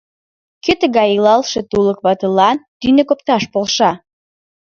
Кӧ тыгай илалше тулык ватылан тӱньык опташ полша?